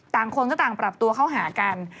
คนก็ต่างปรับตัวเข้าหากัน